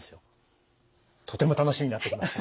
とても楽しみになってきました。